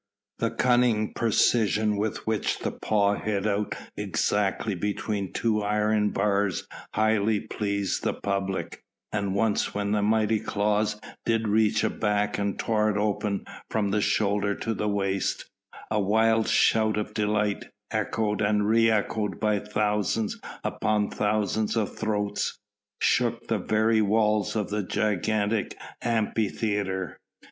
The cunning precision with which that paw hit out exactly between two iron bars highly pleased the public, and once when the mighty claws did reach a back and tore it open from the shoulder to the waist, a wild shout of delight, echoed and re echoed by thousands upon thousands of throats, shook the very walls of the gigantic Amphitheatre.